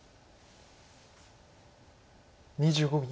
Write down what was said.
２５秒。